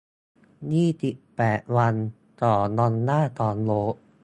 ยี่สิบแปด วัน สอง ดอลลาร์ต่อโดส